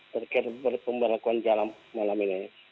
terkait pemberlakuan jalan malam ini